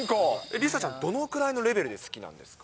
梨紗ちゃん、どのくらいのレベルで好きなんですか？